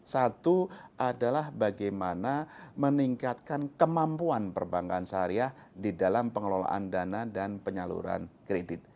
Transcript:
satu adalah bagaimana meningkatkan kemampuan perbankan syariah di dalam pengelolaan dana dan penyaluran kredit